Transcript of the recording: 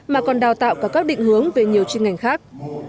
mà còn đào tạo cả các định hướng về nhiều chuyên ngành khác